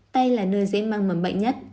tay là nơi dễ mang mầm bệnh nhất